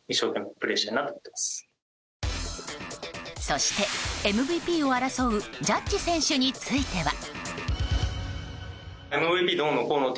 そしてＭＶＰを争うジャッジ選手については。